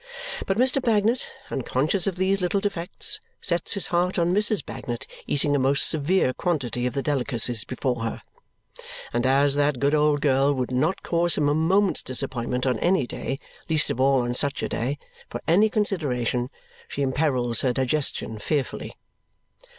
But Mr. Bagnet, unconscious of these little defects, sets his heart on Mrs. Bagnet eating a most severe quantity of the delicacies before her; and as that good old girl would not cause him a moment's disappointment on any day, least of all on such a day, for any consideration, she imperils her digestion fearfully.